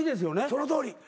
そのとおり。